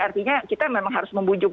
artinya kita memang harus membujuk